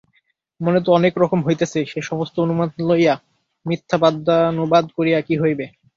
মনে তো অনেক রকম হইতেছে, সে-সমস্ত অনুমান লইয়া মিথ্যা বাদানুবাদ করিয়া কী হইবে?